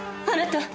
あなた！